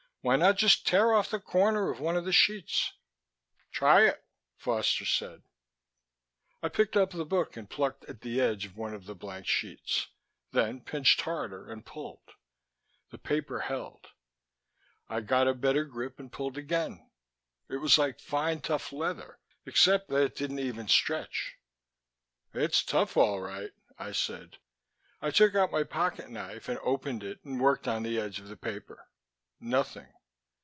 "Why not just tear off the corner of one of the sheets?" "Try it," Foster said. I picked up the book and plucked at the edge of one of the blank sheets, then pinched harder and pulled. The paper held. I got a better grip and pulled again. It was like fine, tough leather, except that it didn't even stretch. "It's tough, all right," I said. I took out my pocket knife and opened it and worked on the edge of the paper. Nothing.